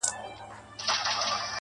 • سري وخت دی، ځان له دغه ښاره باسه.